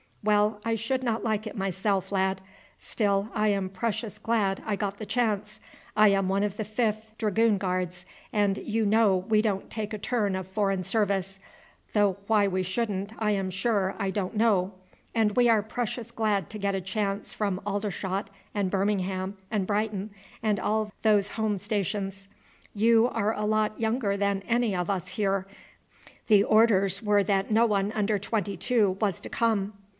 "Well, I should not like it myself, lad. Still I am precious glad I got the chance. I am one of the 5th Dragoon Guards, and you know we don't take a turn of foreign service though why we shouldn't I am sure I don't know and we are precious glad to get a change from Aldershot and Birmingham and Brighton, and all those home stations. You are a lot younger than any of us here. The orders were that no one under twenty two was to come."